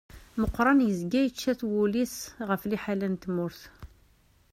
Muqran yezga yečča-t wul-is ɣef liḥala n tmurt.